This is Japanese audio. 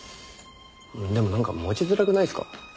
でもなんか持ちづらくないっすか？